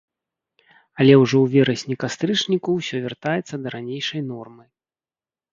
Але ўжо ў верасні-кастрычніку ўсё вяртаецца да ранейшай нормы.